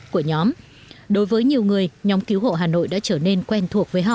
của nhóm đối với nhiều người nhóm cứu hộ hà nội đã trở nên quen thuộc với họ